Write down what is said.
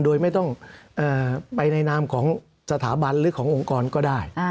โดยไม่ต้องไปในนามของสถาบันหรือขององค์กรก็ได้